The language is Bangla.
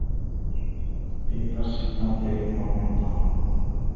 তিনি তার সিদ্ধান্তে মর্মাহত হন।